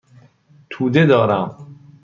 توده دارم.